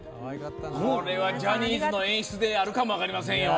これはジャニーズの演出であるかもわかりませんよ。